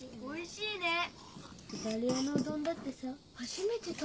おいしいね。